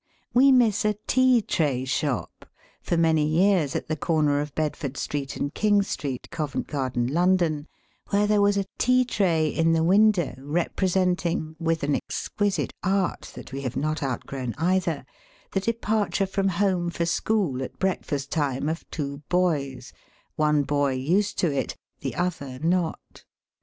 We miss a tea tray shop, for many years at the corner of Bedford Street and King Street, Covent Garden, Lon don, where there was a tea tray in the window representing, with an exquisite Art that we have not outgrown either, the departure from home for school, at breakfast time, of two boys — one boy used to it ; the other, not.